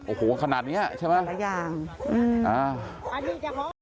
โอ้โหขนาดเนี้ยใช่ไหมหลายอย่างอืมอ่า